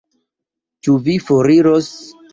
Ĉu vi foriros?